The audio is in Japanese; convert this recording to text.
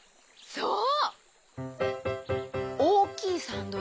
そう！